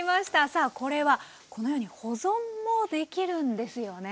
さあこれはこのように保存もできるんですよね。